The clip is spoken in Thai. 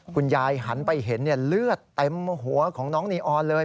หันไปเห็นเลือดเต็มหัวของน้องนีออนเลย